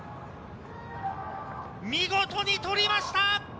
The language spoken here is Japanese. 見事に取りました。